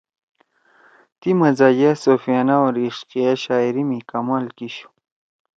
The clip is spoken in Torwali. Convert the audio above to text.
تی مزاحیہ، صوفیانہ او عشقیہ شاعری می کمال کیِشُو۔